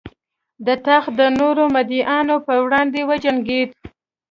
د تخت د نورو مدعیانو پر وړاندې وجنګېد.